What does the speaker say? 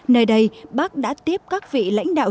nơi đây bác đã tiếp các vị lãnh đạo